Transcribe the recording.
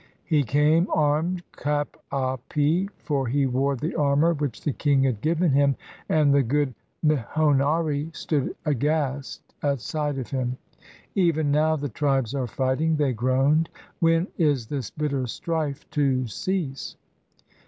He came armed cap d pie; for he wore the armor which the king had given him — and the good mihonari stood aghast at sight of him. "Even now the tribes are fighting," they groaned. "When is this bitter strife to cease?"